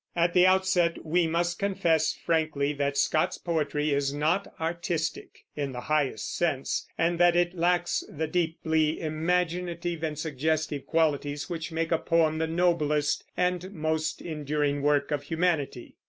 At the outset we must confess frankly that Scott's poetry is not artistic, in the highest sense, and that it lacks the deeply imaginative and suggestive qualities which make a poem the noblest and most enduring work of humanity.